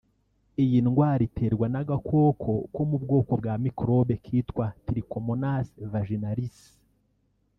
Iyi ndwara iterwa n’agakoko ko mu bwoko bwa mikorobe kitwa ” trichomonas vaginalis”